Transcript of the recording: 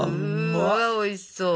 うわおいしそう！